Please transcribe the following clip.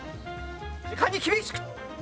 時間に厳しく！